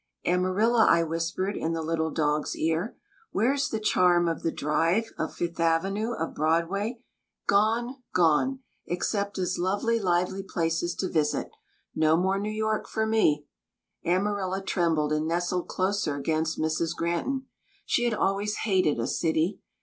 "Amarilla," I whispered in the little dog's ear, "where is the charm of the Drive, of Fifth Avenue, of Broadway? Gone gone, except as lovely, lively places to visit. No more New York for me." Amarilla trembled, and nestled closer against Mrs. Granton. She had always hated a city.